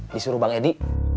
disuruh bang edi